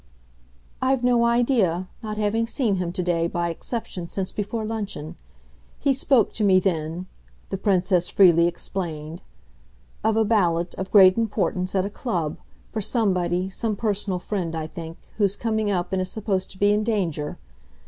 "I've no idea not having seen him to day, by exception, since before luncheon. He spoke to me then," the Princess freely explained, "of a ballot, of great importance, at a club for somebody, some personal friend, I think, who's coming up and is supposed to be in danger.